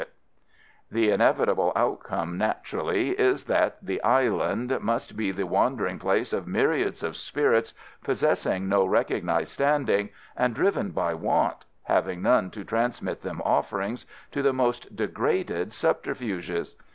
The inevitable outcome, naturally, is that the Island must be the wandering place of myriads of spirits possessing no recognised standing, and driven by want having none to transmit them offerings to the most degraded subterfuges.